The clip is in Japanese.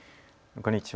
こんにちは。